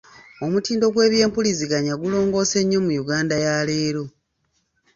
Omutindo gw’eby’empuliziganya gulongoose nnyo mu Yuganda ya leero.